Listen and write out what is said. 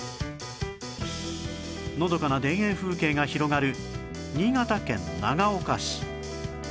のどかな田園風景が広がる新潟県長岡市